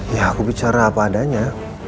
ya aku bicara apa adanya